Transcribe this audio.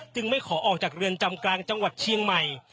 ไม่ขอออกจากเรือนจำกลางจังหวัดเชียงใหม่